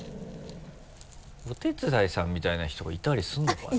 お手伝いさんみたいな人がいたりするのかな？